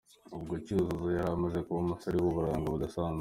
Ubwo Cyuzuzo yari amaze kuba umusore w’uburanga budasanzwe.